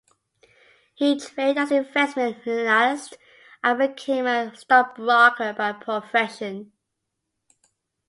He trained as an investment analyst and became a stockbroker by profession.